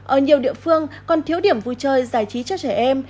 ở nhiều địa phương còn thiếu điểm vui chơi giải trí cho trẻ em